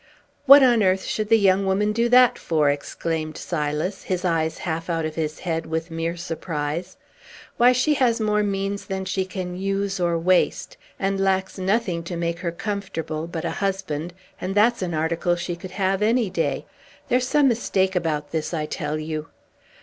"What on earth should the young woman do that for?" exclaimed Silas, his eyes half out of his head with mere surprise. "Why, she has more means than she can use or waste, and lacks nothing to make her comfortable, but a husband, and that's an article she could have, any day. There's some mistake about this, I tell you!"